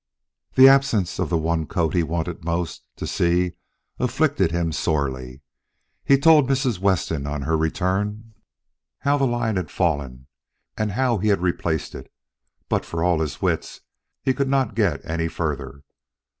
The absence of the one coat he wanted most to see afflicted him sorely. He told Mrs. Weston, on her return, how the line had fallen and how he had replaced it, but for all his wits, he could not get any further.